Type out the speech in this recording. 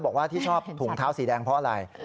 บอกว่าที่ชอบถุงเท้าสีแดงเพราะอะไร